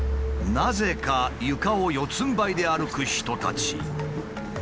なぜか床を四つんばいで歩く人たち。